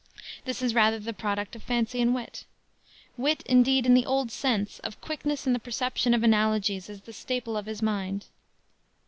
This is rather the product of fancy and wit. Wit, indeed, in the old sense of quickness in the perception of analogies is the staple of his mind.